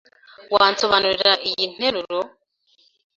Wansobanurira iyi nteruro?